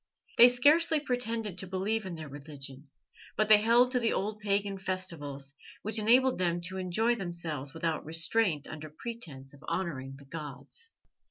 They scarcely pretended to believe in their religion, but they held to the old pagan festivals, which enabled them to enjoy themselves without restraint under pretence of honouring the gods.